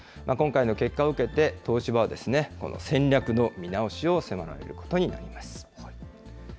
今回の結果を受けて、東芝は、戦略の見直しを迫られることになります。